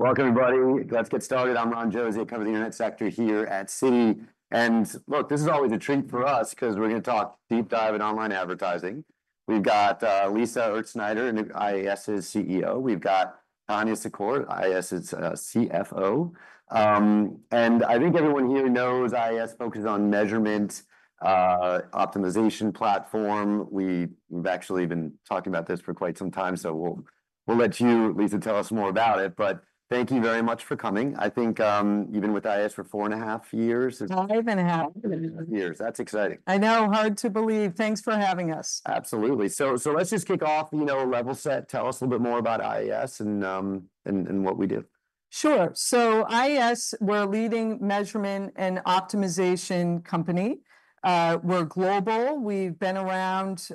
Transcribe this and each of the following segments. Welcome, everybody. Let's get started. I'm Ron Josey, I cover the internet sector here at Citi. And look, this is always a treat for us, 'cause we're gonna talk deep dive in online advertising. We've got Lisa Utzschneider, IAS's CEO. We've got Tania Secor, IAS's CFO. And I think everyone here knows IAS focuses on measurement optimization platform. We've actually been talking about this for quite some time, so we'll let you, Lisa, tell us more about it, but thank you very much for coming. I think you've been with IAS for four and a half years? Five and a half. Five and a half years. That's exciting. I know, hard to believe. Thanks for having us. Absolutely. So let's just kick off, you know, a level set. Tell us a little bit more about IAS and what we do. Sure. So IAS, we're a leading measurement and optimization company. We're global. We've been around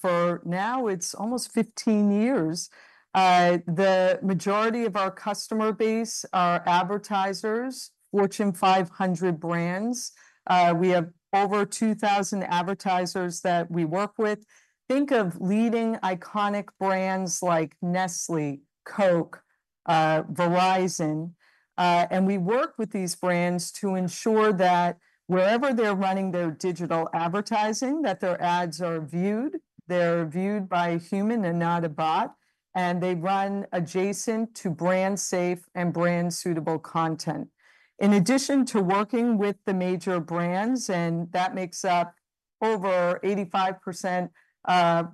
for now it's almost 15 years. The majority of our customer base are advertisers, Fortune 500 brands. We have over 2,000 advertisers that we work with. Think of leading iconic brands like Nestlé, Coke, Verizon, and we work with these brands to ensure that wherever they're running their digital advertising, that their ads are viewed, they're viewed by a human and not a bot, and they run adjacent to brand safe and brand suitable content. In addition to working with the major brands, and that makes up over 85%,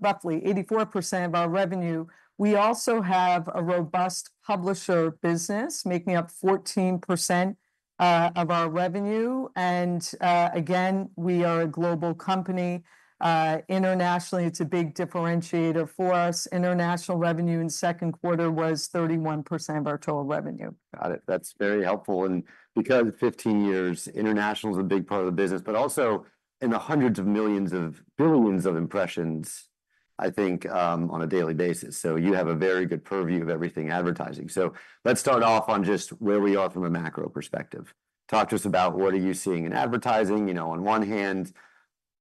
roughly 84% of our revenue, we also have a robust publisher business making up 14% of our revenue, and again, we are a global company. Internationally, it's a big differentiator for us. International revenue in second quarter was 31% of our total revenue. Got it. That's very helpful, and because 15 years, international's a big part of the business, but also in the hundreds of millions of billions of impressions, I think, on a daily basis. So you have a very good purview of everything advertising. So let's start off on just where we are from a macro perspective. Talk to us about what are you seeing in advertising. You know, on one hand,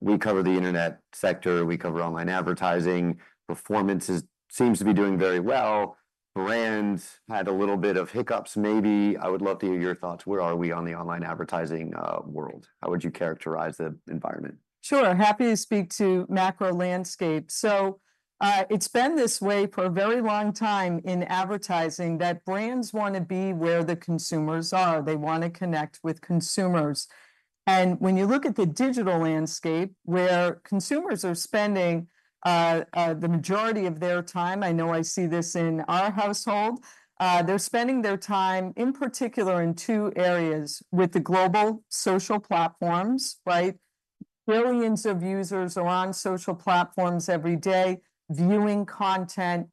we cover the internet sector, we cover online advertising. Performance seems to be doing very well. Brands had a little bit of hiccups maybe. I would love to hear your thoughts. Where are we on the online advertising world? How would you characterize the environment? Sure, happy to speak to macro landscape, so it's been this way for a very long time in advertising, that brands wanna be where the consumers are. They wanna connect with consumers, and when you look at the digital landscape, where consumers are spending, the majority of their time, I know I see this in our household, they're spending their time, in particular, in two areas, with the global social platforms, right? Billions of users are on social platforms every day, viewing content,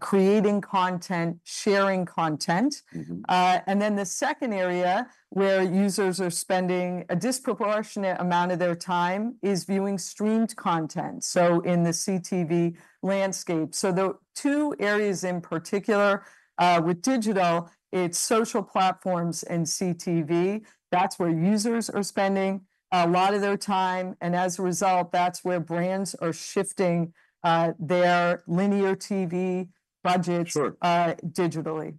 creating content, sharing content. Mm-hmm. And then the second area where users are spending a disproportionate amount of their time is viewing streamed content, so in the CTV landscape. So the two areas in particular, with digital, it's social platforms and CTV. That's where users are spending a lot of their time, and as a result, that's where brands are shifting their linear TV budgets- Sure digitally.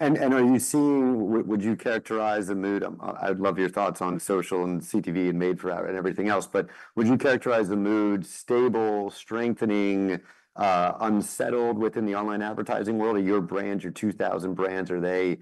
Would you characterize the mood? I'd love your thoughts on social and CTV and Made for Ad and everything else, but would you characterize the mood stable, strengthening, unsettled within the online advertising world? Are your brands, your 2,000 brands, are they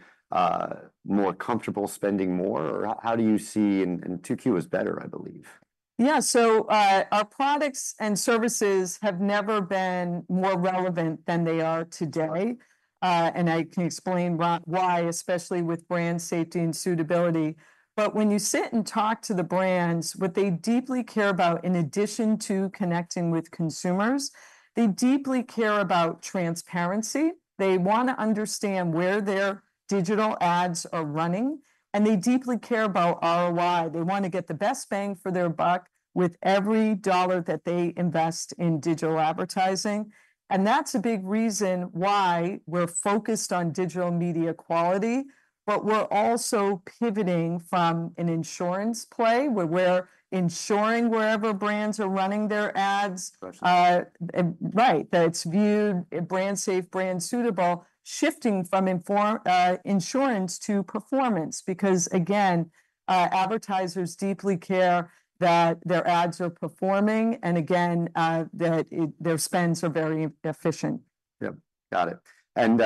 more comfortable spending more, or how do you see? 2Q is better, I believe. Yeah, so, our products and services have never been more relevant than they are today, and I can explain why, especially with brand safety and suitability. But when you sit and talk to the brands, what they deeply care about, in addition to connecting with consumers, they deeply care about transparency. They wanna understand where their digital ads are running, and they deeply care about ROI. They wanna get the best bang for their buck with every dollar that they invest in digital advertising, and that's a big reason why we're focused on digital media quality, but we're also pivoting from an insurance play, where we're ensuring wherever brands are running their ads- Sure. Right, that it's viewable, brand-safe, brand-suitable, shifting from insurance to performance. Because again, advertisers deeply care that their ads are performing, and again, that their spends are very efficient. Yep, got it. And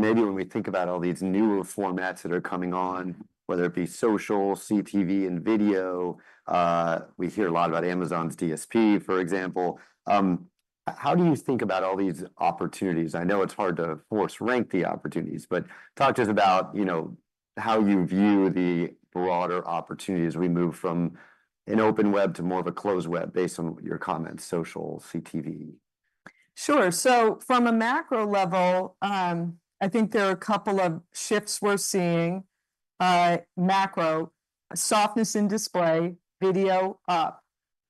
maybe when we think about all these newer formats that are coming on, whether it be social, CTV, and video, we hear a lot about Amazon's DSP, for example. How do you think about all these opportunities? I know it's hard to force rank the opportunities, but talk to us about, you know, how you view the broader opportunities as we move from an open web to more of a closed web, based on your comments, social, CTV. Sure. So from a macro level, I think there are a couple of shifts we're seeing. Macro, softness in display, video up.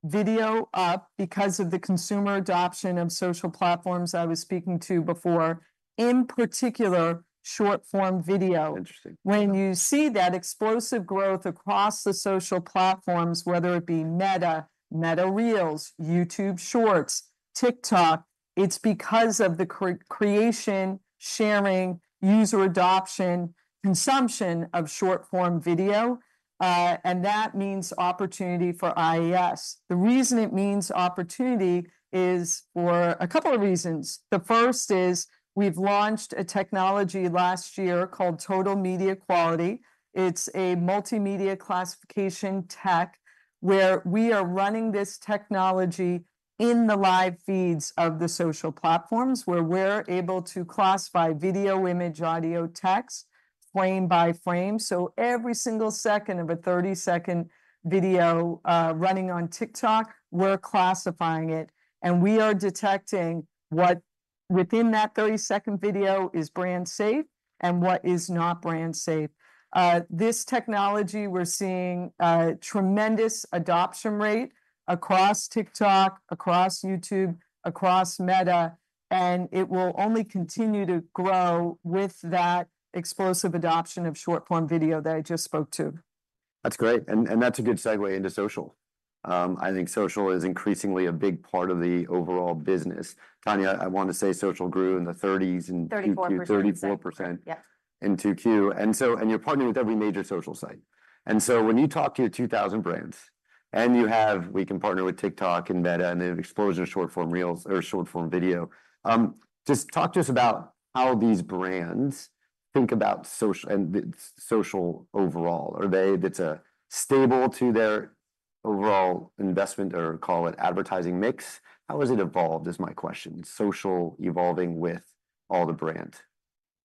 Video up because of the consumer adoption of social platforms I was speaking to before, in particular, short-form video. Interesting. When you see that explosive growth across the social platforms, whether it be Meta, Meta Reels, YouTube Shorts, TikTok, it's because of the creation, sharing, user adoption, consumption of short-form video, and that means opportunity for IAS. The reason it means opportunity is for a couple of reasons. The first is we've launched a technology last year called Total Media Quality. It's a multimedia classification tech, where we are running this technology in the live feeds of the social platforms, where we're able to classify video, image, audio, text frame by frame. So every single second of a 30-second video running on TikTok, we're classifying it, and we are detecting what within that 30-second video is brand safe and what is not brand safe. This technology, we're seeing a tremendous adoption rate across TikTok, across YouTube, across Meta, and it will only continue to grow with that explosive adoption of short-form video that I just spoke to. That's great, and that's a good segue into social. I think social is increasingly a big part of the overall business. Tania, I want to say social grew in the 30s and 34% in 2Q. Yep. And so, you're partnering with every major social site. And so when you talk to your 2,000 brands, and you have we can partner with TikTok, and Meta, and the explosion of short-form reels or short-form video, just talk to us about how these brands think about social and the social overall. Are they It's a staple to their overall investment, or call it advertising mix? How has it evolved, is my question? Social evolving with all the brand.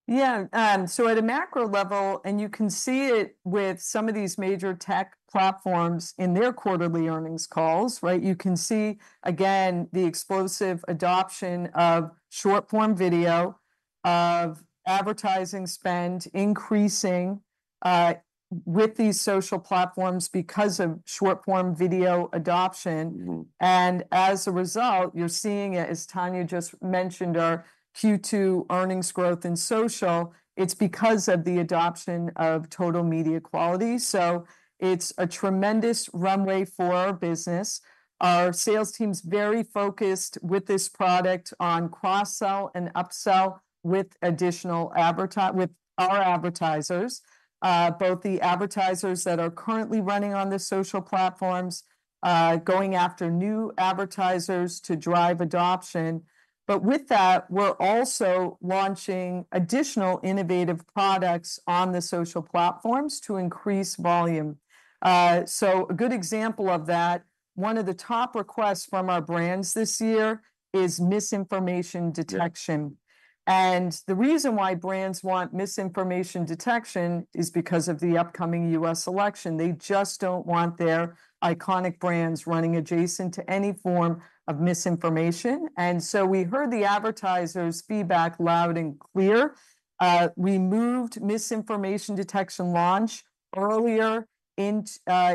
Yeah. So at a macro level, and you can see it with some of these major tech platforms in their quarterly earnings calls, right? You can see, again, the explosive adoption of short-form video, of advertising spend increasing, with these social platforms because of short-form video adoption. Mm-hmm. And as a result, you're seeing it, as Tania just mentioned, our Q2 earnings growth in social. It's because of the adoption of Total Media Quality. So it's a tremendous runway for our business. Our sales team's very focused with this product on cross-sell and upsell with additional with our advertisers, both the advertisers that are currently running on the social platforms, going after new advertisers to drive adoption. But with that, we're also launching additional innovative products on the social platforms to increase volume. So a good example of that, one of the top requests from our brands this year is misinformation detection. Yeah. And the reason why brands want misinformation detection is because of the upcoming U.S. election. They just don't want their iconic brands running adjacent to any form of misinformation. And so we heard the advertisers' feedback loud and clear. We moved misinformation detection launch earlier in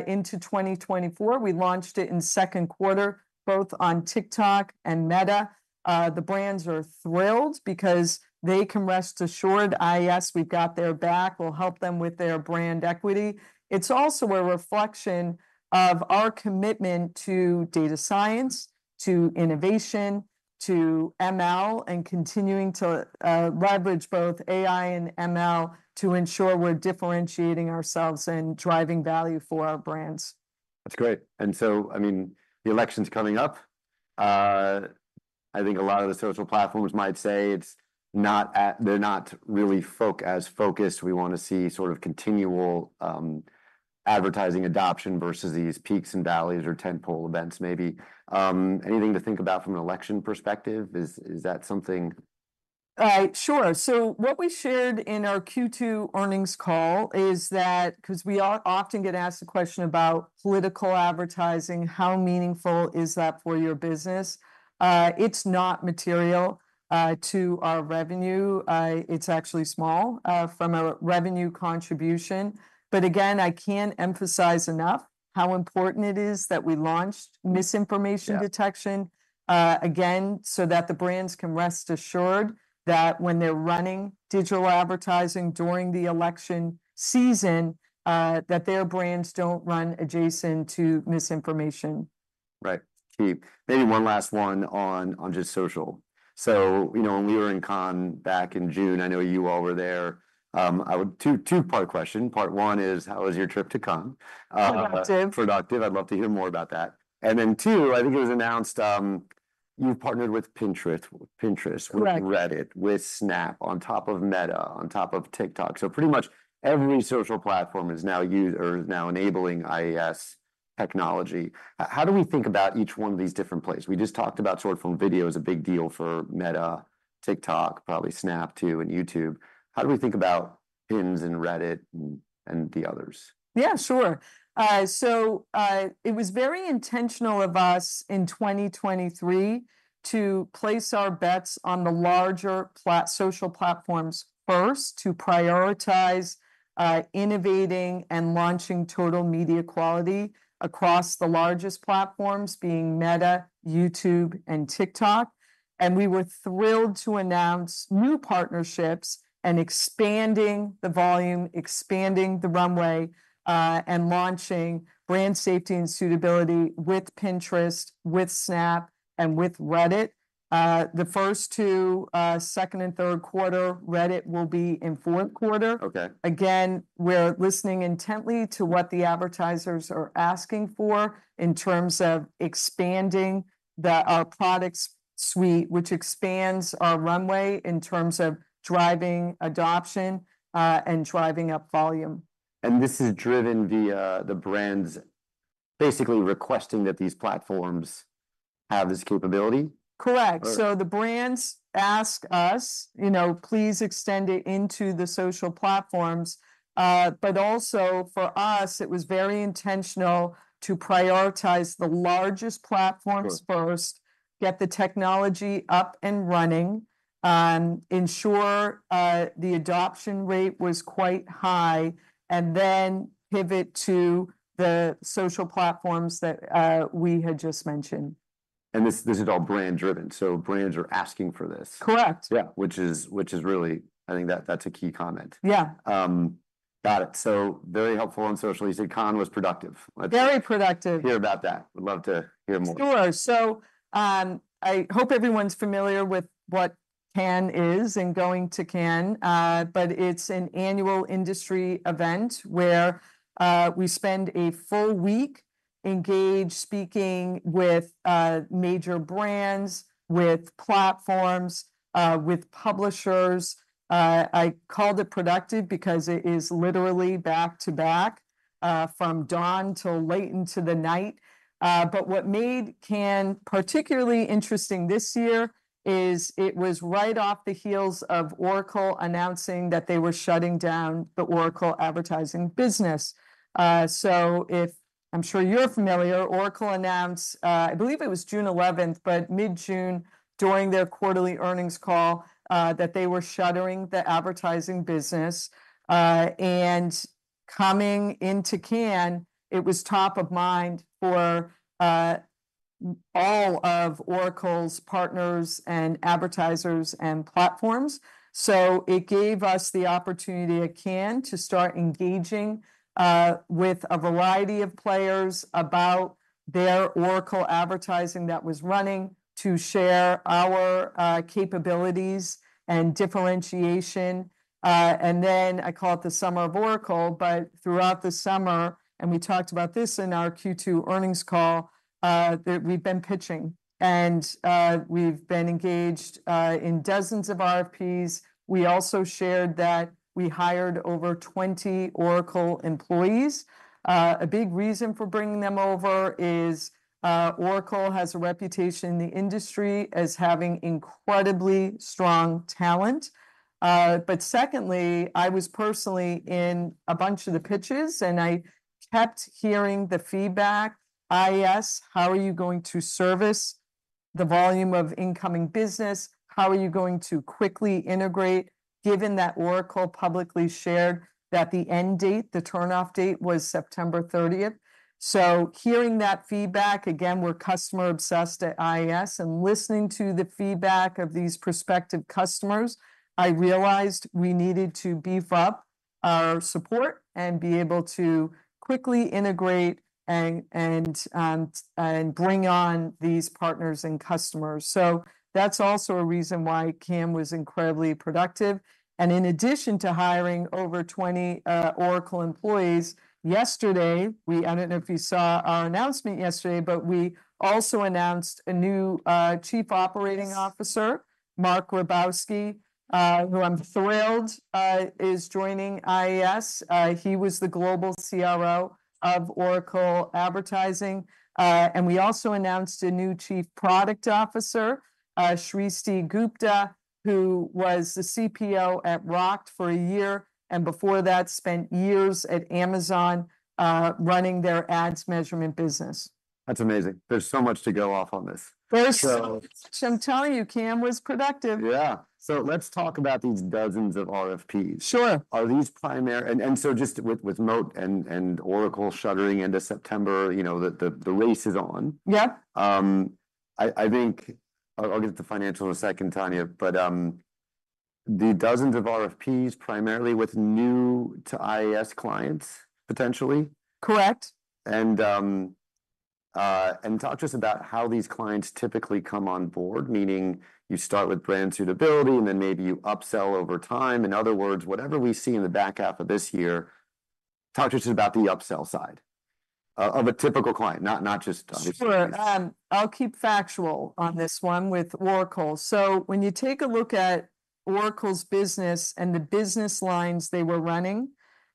into 2024. We launched it in second quarter, both on TikTok and Meta. The brands are thrilled because they can rest assured, IAS, we've got their back. We'll help them with their brand equity. It's also a reflection of our commitment to data science, to innovation, to ML, and continuing to leverage both AI and ML to ensure we're differentiating ourselves and driving value for our brands. That's great. And so, I mean, the election's coming up. I think a lot of the social platforms might say it's not. They're not really as focused. We want to see sort of continual advertising adoption versus these peaks and valleys or tentpole events, maybe. Anything to think about from an election perspective? Is that something? Sure. So what we shared in our Q2 earnings call is that, 'cause we all often get asked the question about political advertising, how meaningful is that for your business? It's not material to our revenue. It's actually small from a revenue contribution. But again, I can't emphasize enough how important it is that we launched misinformation detection. Yeah again, so that the brands can rest assured that when they're running digital advertising during the election season, that their brands don't run adjacent to misinformation. Right. Key. Maybe one last one on just social. So, you know, when we were in Cannes back in June, I know you all were there. Two-part question. Part one is, how was your trip to Cannes? Productive. Productive. I'd love to hear more about that. And then too, I think it was announced, you've partnered with Pinterest, Pinterest- Correct with Reddit, with Snap, on top of Meta, on top of TikTok. So pretty much every social platform is now enabling IAS technology. How do we think about each one of these different places? We just talked about short-form video is a big deal for Meta, TikTok, probably Snap, too, and YouTube. How do we think about Pinterest and Reddit and the others? Yeah, sure. So, it was very intentional of us in 2023 to place our bets on the larger social platforms first, to prioritize, innovating and launching Total Media Quality across the largest platforms, being Meta, YouTube, and TikTok. And we were thrilled to announce new partnerships and expanding the volume, expanding the runway, and launching brand safety and suitability with Pinterest, with Snap, and with Reddit. The first two, second and third quarter. Reddit will be in fourth quarter. Okay. Again, we're listening intently to what the advertisers are asking for in terms of expanding our product suite, which expands our runway in terms of driving adoption and driving up volume. This is driven via the brands basically requesting that these platforms have this capability? Correct. Or- So the brands ask us, you know, "Please extend it into the social platforms." But also for us, it was very intentional to prioritize the largest platforms first- Sure get the technology up and running, ensure the adoption rate was quite high, and then pivot to the social platforms that we had just mentioned. And this is all brand-driven, so brands are asking for this? Correct. Yeah, which is really I think that's a key comment. Yeah. Got it, so very helpful on social. You said Cannes was productive. Let's- Very productive. Hear about that. Would love to hear more. Sure. So, I hope everyone's familiar with what Cannes is, and going to Cannes. But it's an annual industry event where we spend a full week engaged, speaking with major brands, with platforms, with publishers. I called it productive because it is literally back-to-back from dawn till late into the night. But what made Cannes particularly interesting this year is it was right off the heels of Oracle announcing that they were shutting down the Oracle advertising business. So, I'm sure you're familiar, Oracle announced, I believe it was June 11th, but mid-June, during their quarterly earnings call, that they were shuttering the advertising business. And coming into Cannes, it was top of mind for all of Oracle's partners and advertisers and platforms. So it gave us the opportunity at Cannes to start engaging with a variety of players about their Oracle advertising that was running, to share our capabilities and differentiation. And then I call it the summer of Oracle, but throughout the summer, and we talked about this in our Q2 earnings call, that we've been pitching, and we've been engaged in dozens of RFPs. We also shared that we hired over 20 Oracle employees. A big reason for bringing them over is Oracle has a reputation in the industry as having incredibly strong talent. But secondly, I was personally in a bunch of the pitches, and I kept hearing the feedback: IAS, how are you going to service the volume of incoming business? How are you going to quickly integrate, given that Oracle publicly shared that the end date, the turn-off date, was September 30th? So hearing that feedback, again, we're customer-obsessed at IAS, and listening to the feedback of these prospective customers, I realized we needed to beef up our support and be able to quickly integrate and bring on these partners and customers. So that's also a reason why Cannes was incredibly productive. And in addition to hiring over 20 Oracle employees, yesterday, we. I don't know if you saw our announcement yesterday, but we also announced a new Chief Operating Officer, Marc Grabowski, who I'm thrilled is joining IAS. He was the global CRO of Oracle Advertising. And we also announced a new Chief Product Officer, Srishti Gupta, who was the CPO at Rokt for a year, and before that, spent years at Amazon, running their ads measurement business. That's amazing. There's so much to go off on this. I'm telling you, Cannes was productive. Yeah. So let's talk about these dozens of RFPs. Sure. So just with Moat and Oracle shuttering end of September, you know, the race is on. Yeah. I think I'll get to financial in a second, Tania, but the dozens of RFPs, primarily with new-to-IAS clients, potentially? Correct. Talk to us about how these clients typically come on board, meaning you start with brand suitability, and then maybe you upsell over time. In other words, whatever we see in the back half of this year, talk to us about the upsell side of a typical client, not just. Sure. Um- I'll keep factual on this one with Oracle, so when you take a look at Oracle's business and the business lines they were running,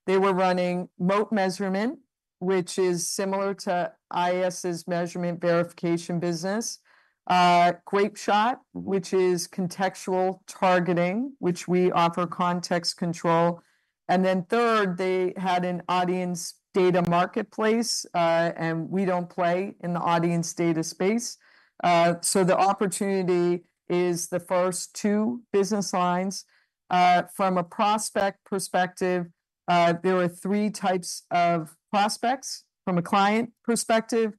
they were running Moat Measurement, which is similar to IAS's measurement verification business, Grapeshot, which is contextual targeting, which we offer Context Control, and then third, they had an audience data marketplace, and we don't play in the audience data space, so the opportunity is the first two business lines, from a prospect perspective, there were three types of prospects from a client perspective: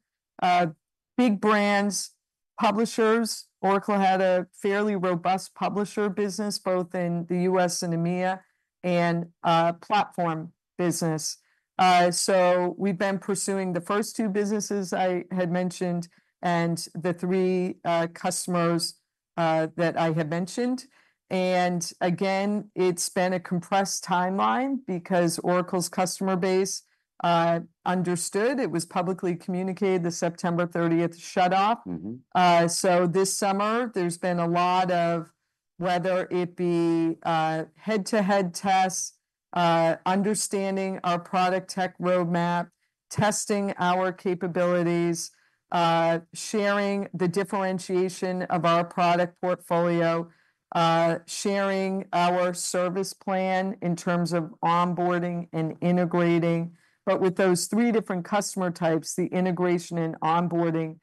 big brands, publishers, Oracle had a fairly robust publisher business, both in the US and EMEA and platform business, so we've been pursuing the first two businesses I had mentioned, and the three customers that I had mentioned, and again, it's been a compressed timeline, because Oracle's customer base understood. It was publicly communicated, the September 30th shutoff. Mm-hmm. So this summer there's been a lot of whether it be head-to-head tests, understanding our product tech roadmap, testing our capabilities, sharing the differentiation of our product portfolio, sharing our service plan in terms of onboarding and integrating. But with those three different customer types, the integration and onboarding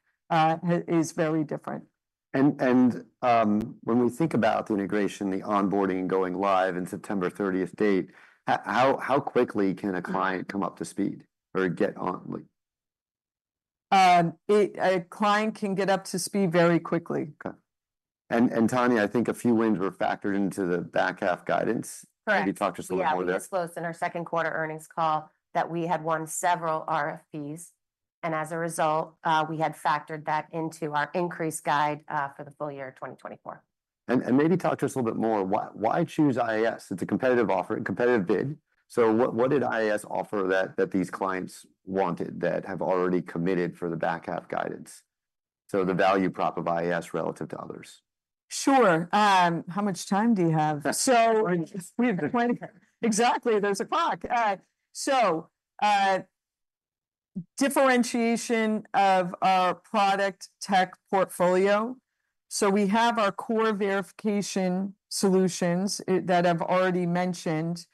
is very different. When we think about the integration, the onboarding, going live, and September 30th date, how quickly can a client- Yeah come up to speed or get on board? A client can get up to speed very quickly. Okay. And, Tania, I think a few wins were factored into the back half guidance. Correct. Can you talk just a little more there? Yeah, we disclosed in our second quarter earnings call that we had won several RFPs, and as a result, we had factored that into our increased guide for the full year of 2024. Maybe talk to us a little bit more, why choose IAS? It's a competitive offer, competitive bid, so what did IAS offer that these clients wanted that have already committed for the back half guidance? So the value prop of IAS relative to others. Sure. How much time do you have? So we have plenty. Exactly. There's a clock. So, differentiation of our product tech portfolio, so we have our core verification solutions that I've already mentioned.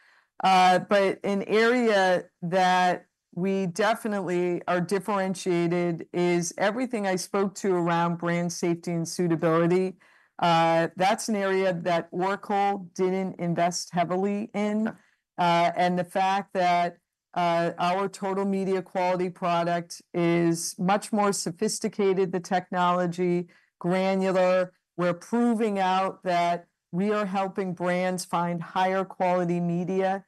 But an area that we definitely are differentiated is everything I spoke to around brand safety and suitability. That's an area that Oracle didn't invest heavily in. And the fact that, our Total Media Quality product is much more sophisticated, the technology, granular. We're proving out that we are helping brands find higher quality media,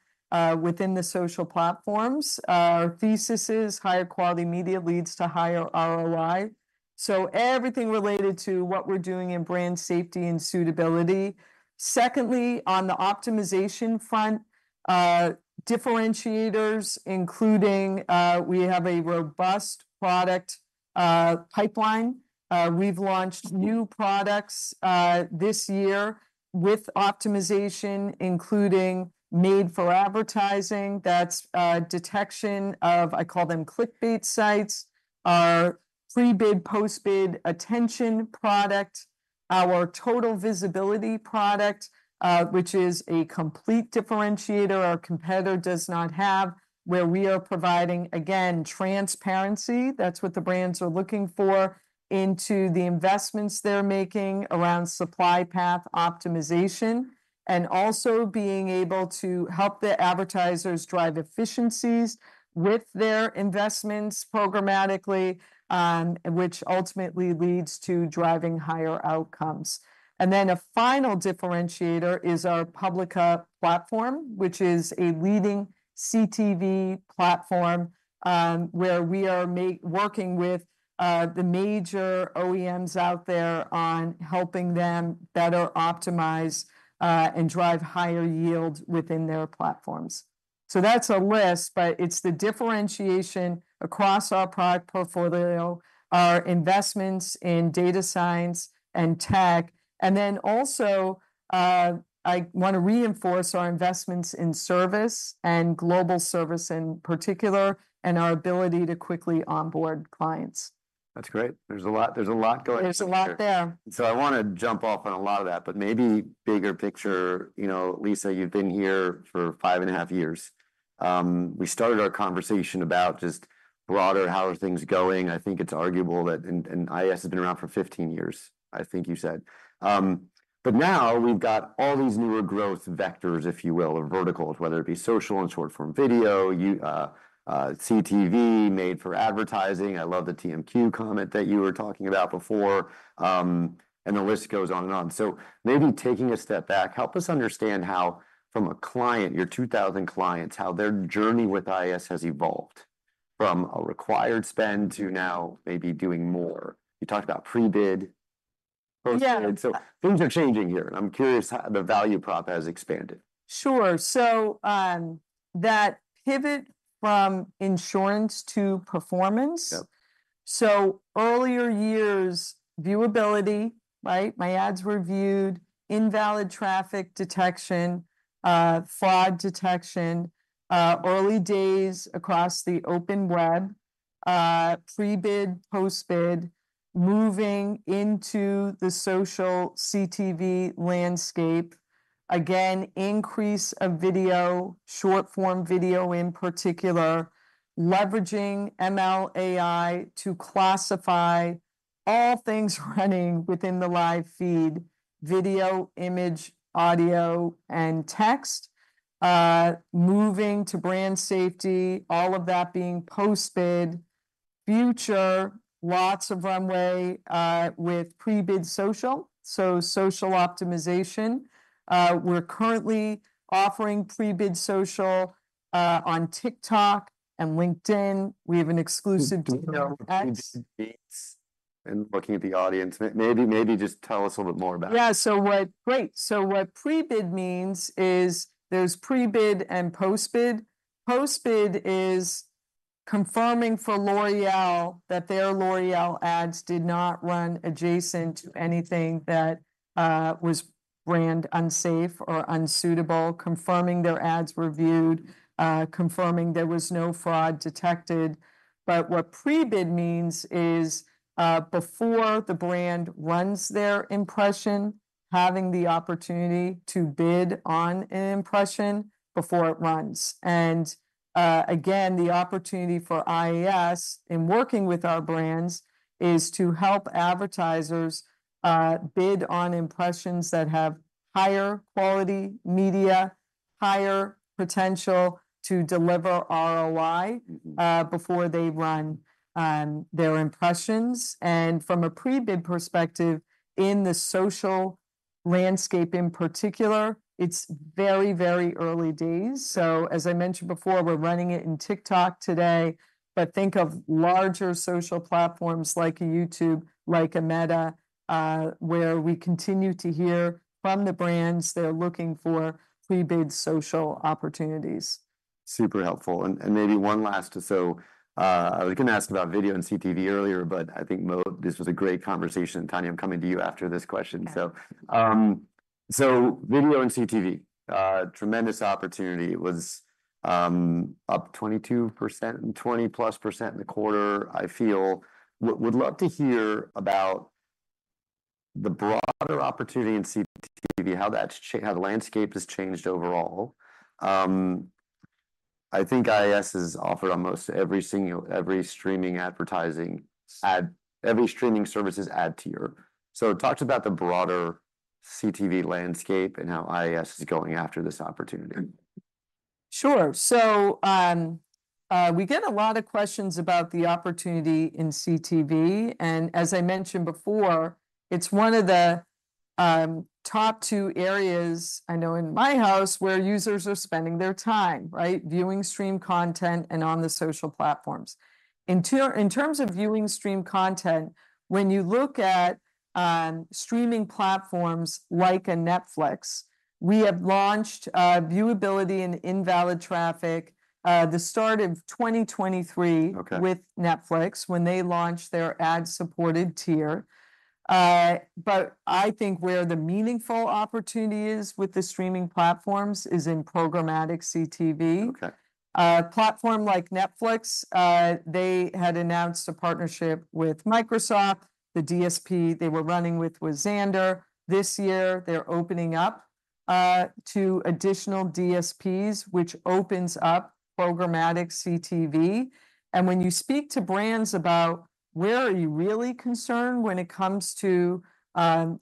within the social platforms. Our thesis is higher quality media leads to higher ROI, so everything related to what we're doing in brand safety and suitability. Secondly, on the optimization front, differentiators, including, we have a robust product, pipeline, we've launched new products, this year with optimization, including Made for Advertising. That's detection of, I call them clickbait sites, our pre-bid, post-bid attention product, our Total Visibility product, which is a complete differentiator our competitor does not have, where we are providing, again, transparency - that's what the brands are looking for - into the investments they're making around supply path optimization, and also being able to help the advertisers drive efficiencies with their investments programmatically, which ultimately leads to driving higher outcomes. And then a final differentiator is our Publica platform, which is a leading CTV platform, where we are working with the major OEMs out there on helping them better optimize and drive higher yield within their platforms. That's a list, but it's the differentiation across our product portfolio, our investments in data science and tech, and then also, I wanna reinforce our investments in service, and global service in particular, and our ability to quickly onboard clients. That's great. There's a lot, there's a lot going on there. There's a lot there. So I wanna jump off on a lot of that, but maybe bigger picture. You know, Lisa, you've been here for five and a half years. We started our conversation about just broader, how are things going? I think it's arguable that And IAS has been around for fifteen years, I think you said. But now we've got all these newer growth vectors, if you will, or verticals, whether it be social and short-form video, CTV, made for advertising. I love the TMQ comment that you were talking about before. And the list goes on and on. So maybe taking a step back, help us understand how, from a client, your two thousand clients, how their journey with IAS has evolved from a required spend to now maybe doing more. You talked about pre-bid, post-bid. Yeah So things are changing here, and I'm curious how the value prop has expanded. Sure. So, that pivot from insurance to performance- Yep so earlier years, viewability, right? My ads were viewed, invalid traffic detection, fraud detection, early days across the open web, pre-bid, post-bid, moving into the social CTV landscape. Again, increase of video, short-form video in particular, leveraging ML/AI to classify all things running within the live feed, video, image, audio, and text, moving to brand safety, all of that being post-bid. Future, lots of runway with pre-bid social, so social optimization. We're currently offering pre-bid social on TikTok and LinkedIn. We have an exclusive deal with X. Looking at the audience, maybe just tell us a little bit more about it. Great! So what pre-bid means is there's pre-bid and post-bid. Post-bid is confirming for L'Oréal that their L'Oréal ads did not run adjacent to anything that was brand unsafe or unsuitable, confirming their ads were viewed, confirming there was no fraud detected. But what pre-bid means is, before the brand runs their impression, having the opportunity to bid on an impression before it runs. And, again, the opportunity for IAS in working with our brands is to help advertisers bid on impressions that have higher quality media, higher potential to deliver ROI- Mm-hmm before they run their impressions. And from a pre-bid perspective, in the social landscape in particular, it's very, very early days. So as I mentioned before, we're running it in TikTok today, but think of larger social platforms like a YouTube, like a Meta, where we continue to hear from the brands that are looking for pre-bid social opportunities. Super helpful. And maybe one last, so we can ask about video and CTV earlier, but I think Mo, this was a great conversation. Tania, I'm coming to you after this question. Yeah. Video and CTV, tremendous opportunity. It was up 22%, 20+% in the quarter, I feel. Would love to hear about the broader opportunity in CTV, how the landscape has changed overall. I think IAS is offered on almost every streaming service's ad tier. Talk about the broader CTV landscape and how IAS is going after this opportunity. Sure. So, we get a lot of questions about the opportunity in CTV, and as I mentioned before, it's one of the top two areas I know in my house where users are spending their time, right? Viewing streaming content and on the social platforms. In terms of viewing streaming content, when you look at streaming platforms like Netflix, we have launched viewability and invalid traffic the start of 2023- Okay with Netflix, when they launched their ad-supported tier, but I think where the meaningful opportunity is with the streaming platforms is in programmatic CTV. Okay. A platform like Netflix, they had announced a partnership with Microsoft. The DSP they were running with was Xandr. This year, they're opening up to additional DSPs, which opens up programmatic CTV. And when you speak to brands about where are you really concerned when it comes to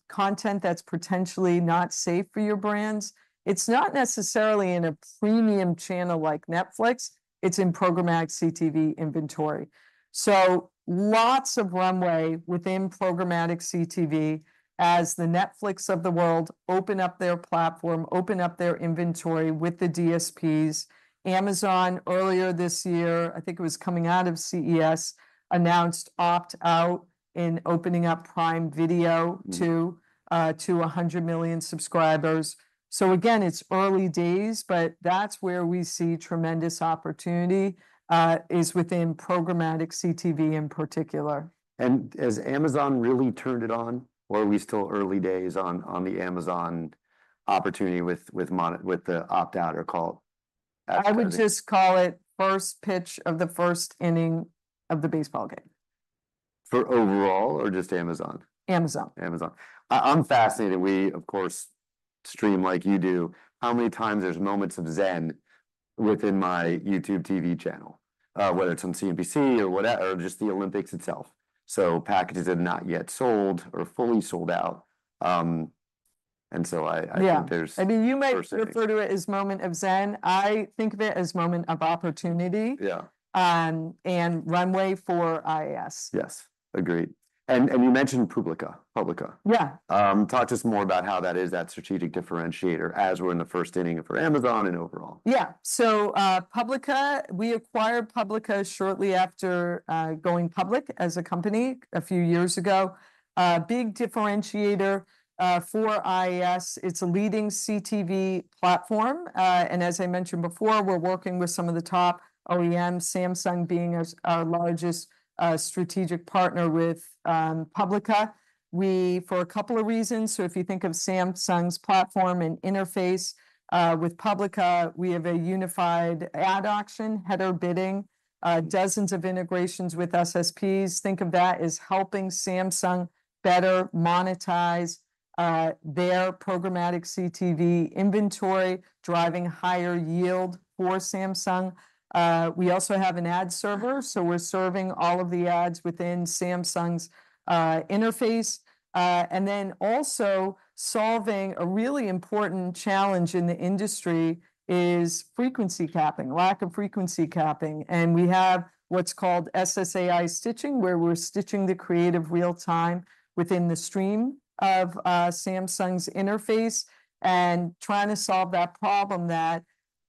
content that's potentially not safe for your brands, it's not necessarily in a premium channel like Netflix, it's in programmatic CTV inventory. So lots of runway within programmatic CTV as the Netflix of the world open up their platform, open up their inventory with the DSPs. Amazon, earlier this year, I think it was coming out of CES, announced opt-out in opening up Prime Video- Mm to 100 million subscribers. So again, it's early days, but that's where we see tremendous opportunity, is within programmatic CTV in particular. Has Amazon really turned it on, or are we still early days on the Amazon opportunity with the opt-out or call advertising? I would just call it first pitch of the first inning of the baseball game. For overall or just Amazon? Amazon. Amazon. I'm fascinated. We, of course, stream like you do. How many times there's moments of zen within my YouTube TV channel, whether it's on CNBC or just the Olympics itself. So packages have not yet sold or fully sold out. And so I think there's- Yeah versatility. I mean, you may refer to it as moment of zen. I think of it as moment of opportunity- Yeah and runway for IAS. Yes, agreed. And you mentioned Publica. Publica. Yeah. Talk to us more about how that is, that strategic differentiator, as we're in the first inning for Amazon and overall. Yeah. So, Publica, we acquired Publica shortly after going public as a company a few years ago. A big differentiator for IAS, it's a leading CTV platform. And as I mentioned before, we're working with some of the top OEMs, Samsung being our largest strategic partner with Publica. We, for a couple of reasons, so if you think of Samsung's platform and interface with Publica, we have a unified ad auction, header bidding, dozens of integrations with SSPs. Think of that as helping Samsung better monetize their programmatic CTV inventory, driving higher yield for Samsung. We also have an ad server, so we're serving all of the ads within Samsung's interface. And then also solving a really important challenge in the industry is frequency capping, lack of frequency capping. We have what's called SSAI stitching, where we're stitching the creative real time within the stream of Samsung's interface, and trying to solve that problem that,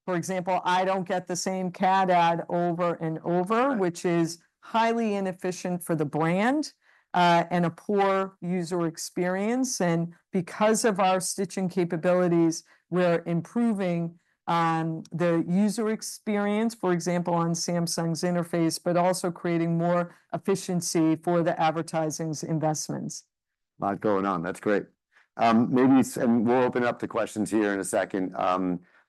for example, I don't get the same cat ad over and over- Right which is highly inefficient for the brand, and a poor user experience. And because of our stitching capabilities, we're improving the user experience, for example, on Samsung's interface, but also creating more efficiency for the advertising's investments. A lot going on. That's great. Maybe we'll open it up to questions here in a second.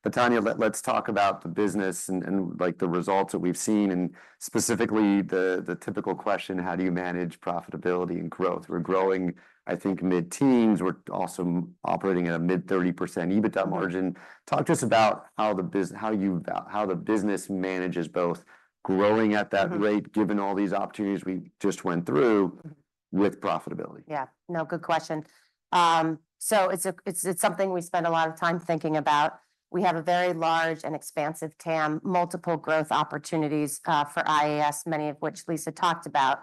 But Tania, let's talk about the business and, like, the results that we've seen, and specifically, the typical question: how do you manage profitability and growth? We're growing, I think, mid-teens. We're also operating at a mid-30% EBITDA margin. Mm. Talk to us about how the business manages both growing at that rate? Mm-hmm given all these opportunities we just went through, with profitability. Yeah. No, good question. So it's something we spend a lot of time thinking about. We have a very large and expansive TAM, multiple growth opportunities for IAS, many of which Lisa talked about.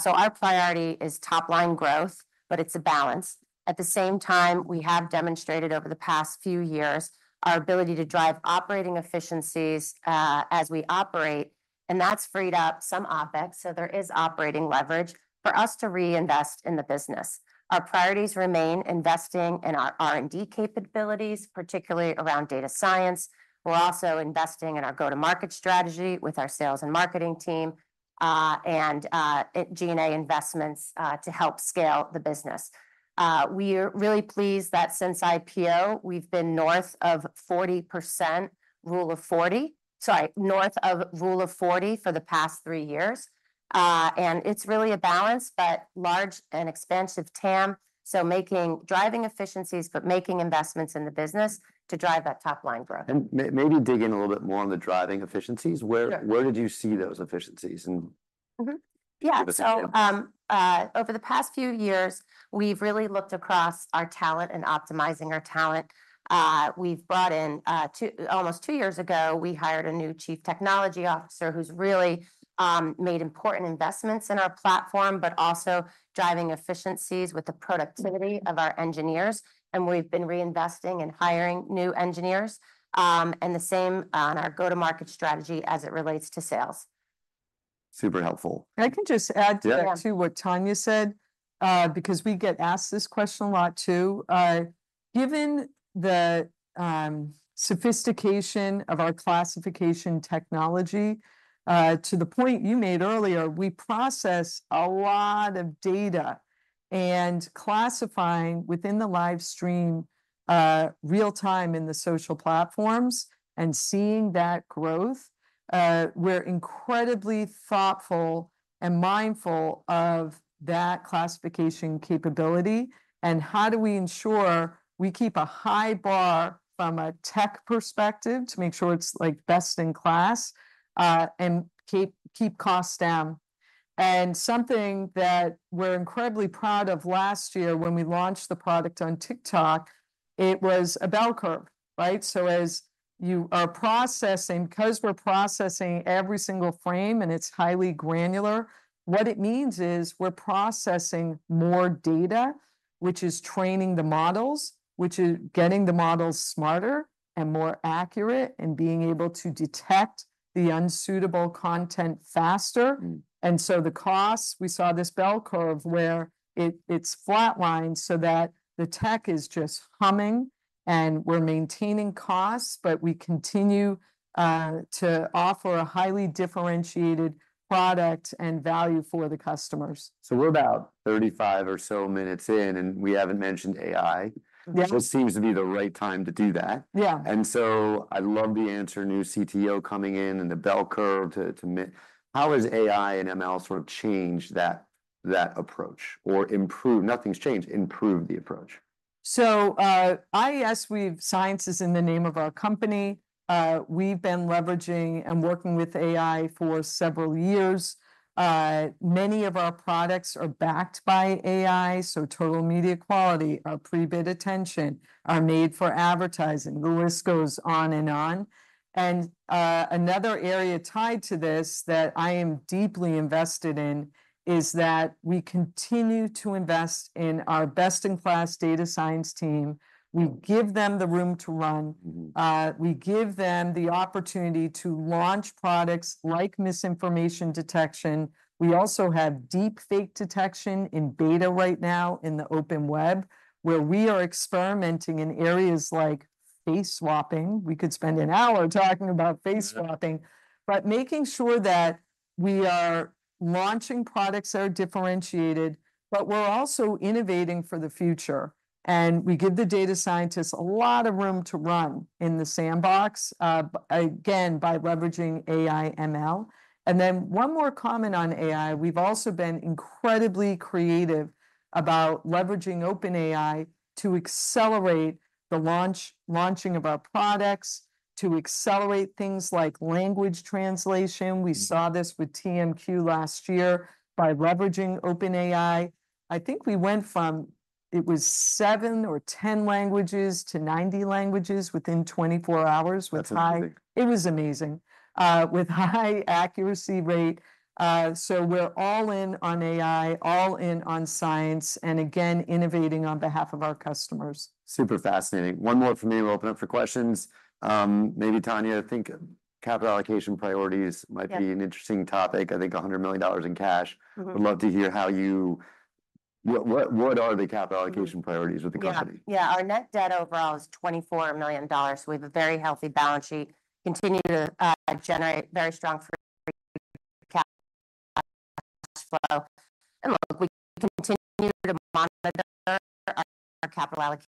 So our priority is top line growth, but it's a balance. At the same time, we have demonstrated over the past few years our ability to drive operating efficiencies as we operate, and that's freed up some OpEx, so there is operating leverage for us to reinvest in the business. Our priorities remain investing in our R&D capabilities, particularly around data science. We're also investing in our go-to-market strategy with our sales and marketing team, and at G&A investments to help scale the business. We're really pleased that since IPO, we've been north of rule of 40 for the past three years, and it's really a balance, but large and expansive TAM, so making driving efficiencies, but making investments in the business to drive that top line growth. Maybe dig in a little bit more on the driving efficiencies. Sure. Where did you see those efficiencies, and- Mm-hmm, yeah give us a few. Over the past few years, we've really looked across our talent and optimizing our talent. We've brought in almost two years ago, we hired a new Chief Technology Officer, who's really made important investments in our platform, but also driving efficiencies with the productivity- Mm of our engineers, and we've been reinvesting and hiring new engineers, and the same on our go-to-market strategy as it relates to sales. Super helpful. If I can just add to that- Yeah too, what Tania said, because we get asked this question a lot, too. Given the sophistication of our classification technology, to the point you made earlier, we process a lot of data, and classifying within the live stream, real-time in the social platforms and seeing that growth, we're incredibly thoughtful and mindful of that classification capability, and how do we ensure we keep a high bar from a tech perspective, to make sure it's, like, best-in-class, and keep costs down? And something that we're incredibly proud of, last year when we launched the product on TikTok, it was a bell curve, right? So as you are processing, 'cause we're processing every single frame and it's highly granular, what it means is we're processing more data, which is training the models, which is getting the models smarter and more accurate, and being able to detect the unsuitable content faster. Mm. And so the cost, we saw this bell curve where it's flatlined so that the tech is just humming, and we're maintaining costs, but we continue to offer a highly differentiated product and value for the customers. So we're about 35 or so minutes in, and we haven't mentioned AI. Yeah. Which seems to be the right time to do that. Yeah. And so I love the answer, new CTO coming in, and the bell curve to misinformation. How has AI and ML sort of changed that approach? Or improved Nothing's changed. Improved the approach. IAS, science is in the name of our company. We've been leveraging and working with AI for several years. Many of our products are backed by AI, so Total Media Quality, our pre-bid attention, are Made for Advertising. The list goes on and on. Another area tied to this that I am deeply invested in is that we continue to invest in our best-in-class data science team. Mm. We give them the room to run. Mm-hmm. We give them the opportunity to launch products like misinformation detection. We also have deepfake detection in beta right now in the open web, where we are experimenting in areas like face swapping. We could spend an hour talking about face swapping- Yeah but making sure that we are launching products that are differentiated, but we're also innovating for the future, and we give the data scientists a lot of room to run in the sandbox, again, by leveraging AI, ML. And then one more comment on AI, we've also been incredibly creative about leveraging OpenAI to accelerate the launch, launching of our products to accelerate things like language translation. We saw this with TMQ last year by leveraging OpenAI. I think we went from, it was seven or 10 languages to 90 languages within 24 hours with high- That's amazing. It was amazing, with high accuracy rate. So we're all in on AI, all in on science, and again, innovating on behalf of our customers. Super fascinating. One more from me, and we'll open up for questions. Maybe Tania, I think capital allocation priorities- Yeah might be an interesting topic. I think $100 million in cash. Mm-hmm. Would love to hear how you What are the capital allocation priorities with the company? Yeah. Yeah, our net debt overall is $24 million, so we have a very healthy balance sheet, continue to generate very strong free cash flow, and look, we continue to monitor our capital allocation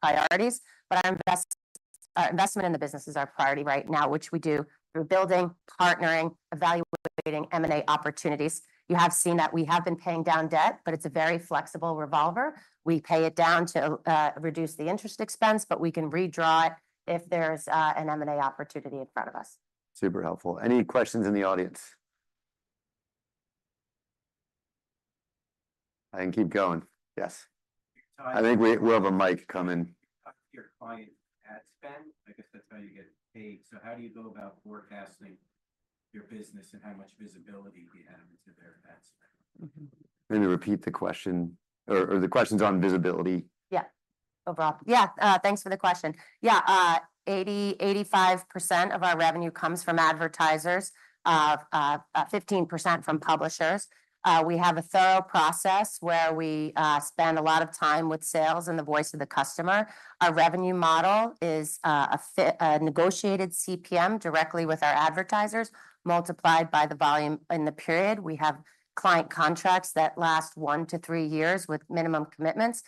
priorities, but our investment in the business is our priority right now, which we do through building, partnering, evaluating M&A opportunities. You have seen that we have been paying down debt, but it's a very flexible revolver. We pay it down to reduce the interest expense, but we can redraw it if there's an M&A opportunity in front of us. Super helpful. Any questions in the audience? I can keep going. Yes. Hi- I think we have a mic coming. Your client ad spend, I guess that's how you get paid. So how do you go about forecasting your business and how much visibility do you have into their ad spend? Mm-hmm. Let me repeat the question, or the question's on visibility. Yeah. Overall. Yeah, thanks for the question. Yeah, 85% of our revenue comes from advertisers, 15% from publishers. We have a thorough process where we spend a lot of time with sales and the voice of the customer. Our revenue model is a negotiated CPM directly with our advertisers, multiplied by the volume in the period. We have client contracts that last one to three years with minimum commitments.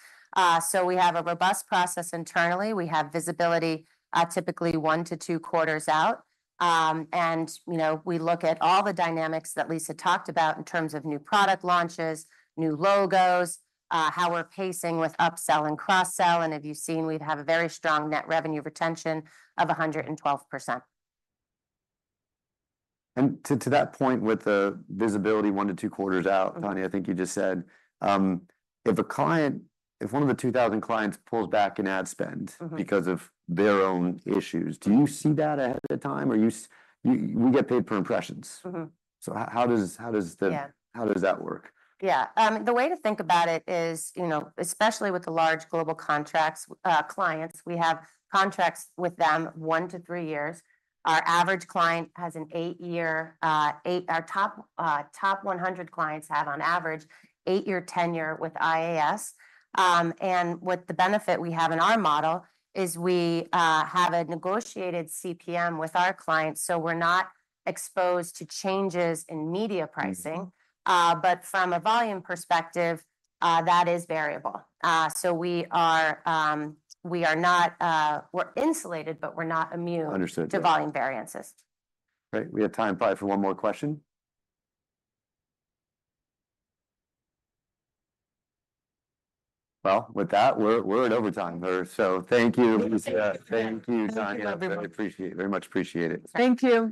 So we have a robust process internally. We have visibility, typically one to two quarters out. And you know, we look at all the dynamics that Lisa talked about in terms of new product launches, new logos, how we're pacing with upsell and cross-sell, and if you've seen, we have a very strong net revenue retention of 112%. To that point, with the visibility one to two quarters out- Mm-hmm Tania, I think you just said, if a client, if one of the 2,000 clients pulls back an ad spend- Mm-hmm because of their own issues, do you see that ahead of time? Or you get paid per impressions. Mm-hmm. So, how does the- Yeah how does that work? Yeah. The way to think about it is, you know, especially with the large global contracts, clients, we have contracts with them one to three years. Our average client has an eight-year Our top 100 clients have on average, eight-year tenure with IAS. And with the benefit we have in our model is we have a negotiated CPM with our clients, so we're not exposed to changes in media pricing. Mm-hmm. But from a volume perspective, that is variable. So we are not we're insulated, but we're not immune- Understood to volume variances. Great. We have time probably for one more question. With that, we're at overtime here, so thank you, Lisa. Thank you. Thank you, Tania. Yeah, everyone. I appreciate it, very much appreciate it. Thank you!